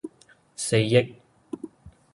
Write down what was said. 四億